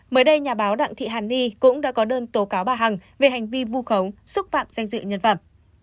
mới đây nhà báo đặng thị hàn ni cũng đã có đơn tố cáo bà hằng về hành vi vu khống xúc phạm danh dự nhân phẩm